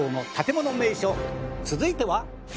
続いては。